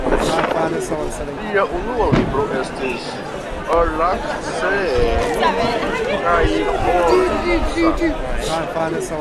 Lia unua libro estis "Ollakseni kaihoisa".